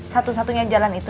satu satunya jalan itu